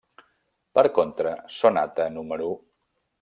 Per contra, Sonata No.